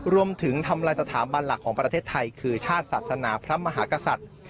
ทำลายสถาบันหลักของประเทศไทยคือชาติศาสนาพระมหากษัตริย์